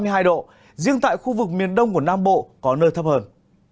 đến ba mươi hai độ riêng tại khu vực miền đông của nam bộ có nơi thấp hơn